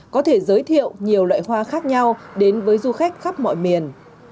chị giới thiệu nhiều loại hoa khác nhau đến với du khách khắp mọi miền